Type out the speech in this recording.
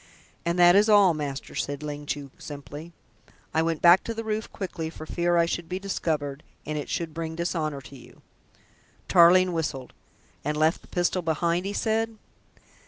And that is all, master," said Ling Chu simply. "I went back to the roof quickly for fear I should be discovered and it should bring dishonour to you." Tarling whistled. "And left the pistol behind?" he said.